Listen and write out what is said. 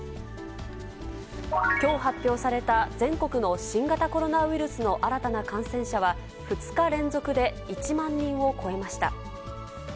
きょう発表された全国の新型コロナウイルスの新たな感染者は、２日連続で１万人を超えました。